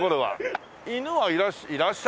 犬はいらっしゃら。